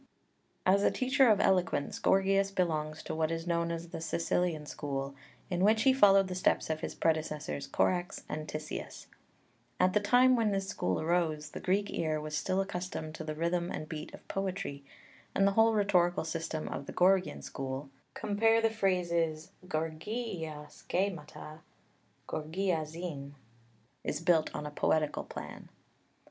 As a teacher of eloquence Gorgias belongs to what is known as the Sicilian school, in which he followed the steps of his predecessors, Korax and Tisias. At the time when this school arose the Greek ear was still accustomed to the rhythm and beat of poetry, and the whole rhetorical system of the Gorgian school (compare the phrases γοργίεια σχήματα, γοργιάζειν) is built on a poetical plan (Lübker, Reallexikon des classischen Alterthums).